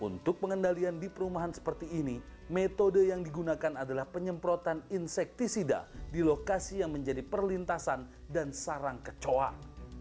untuk pengendalian di perumahan seperti ini metode yang digunakan adalah penyemprotan insektisida di lokasi yang menjadi perlintasan dan sarang kecoang